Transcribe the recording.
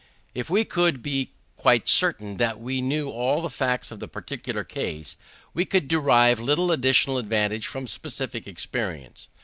If we could be quite certain that we knew all the facts of the particular case, we could derive little additional advantage from specific experience.